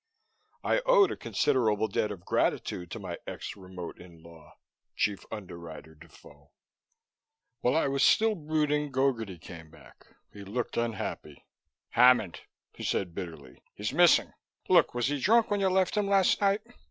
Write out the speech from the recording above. I owed a considerable debt of gratitude to my ex remote in law, Chief Underwriter Defoe. While I still was brooding, Gogarty came back. He looked unhappy. "Hammond," he said bitterly. "He's missing. Look, was he drunk when you left him last night?"